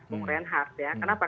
mengurian hard ya kenapa